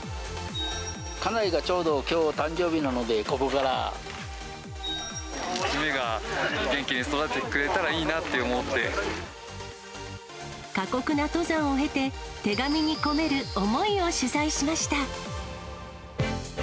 家内がちょうどきょう誕生日娘が元気で育ってくれたらい過酷な登山を経て、手紙に込める思いを取材しました。